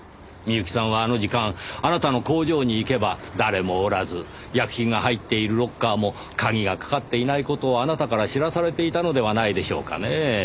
美由紀さんはあの時間あなたの工場に行けば誰もおらず薬品が入っているロッカーも鍵がかかっていない事をあなたから知らされていたのではないでしょうかね？